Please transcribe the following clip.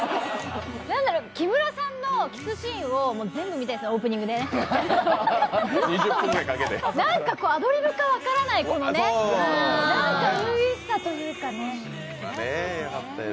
木村さんのキスシーンを全部見たいですね、オープニングでねアドリブか分からない、ういういしさというかね。